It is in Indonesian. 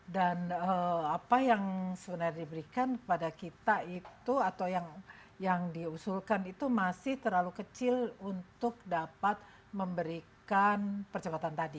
dan apa yang sebenarnya diberikan kepada kita itu atau yang diusulkan itu masih terlalu kecil untuk dapat memberikan percepatan tadi